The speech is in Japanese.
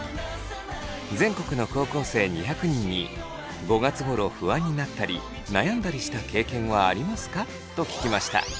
全国の高校生２００人に「５月ごろ不安になったり悩んだりした経験はありますか？」と聞きました。